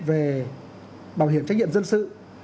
về bảo hiểm trách nhiệm dân sự